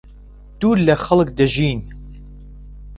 دوور لەخەڵک دەژین.